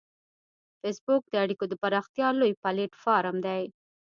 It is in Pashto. فېسبوک د اړیکو د پراختیا لوی پلیټ فارم دی